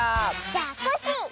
じゃあコッシー！